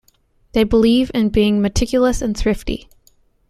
They believe in being meticulous and thrifty.